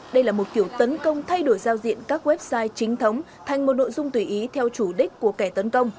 đây là một kiểu tấn công thay đổi giao diện các website chính thống thành một nội dung tùy ý theo chủ đích của kẻ tấn công